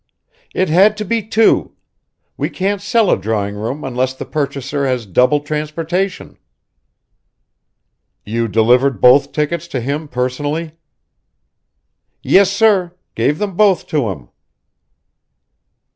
"It had to be two. We can't sell a drawing room unless the purchaser has double transportation." "You delivered both tickets to him personally?" "Yes, sir gave them both to him."